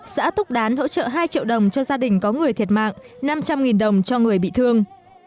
xã túc đán hỗ trợ hai triệu đồng cho gia đình có người thiệt mạng năm trăm linh đồng cho người bị thương